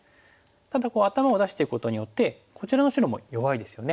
ただ頭を出していくことによってこちらの白も弱いですよね。